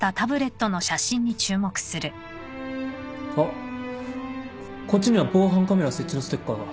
あっこっちには防犯カメラ設置のステッカーが。